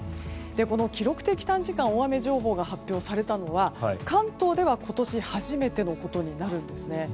この記録的短時間大雨情報が発表されたのは関東では今年初めてのことになるんです。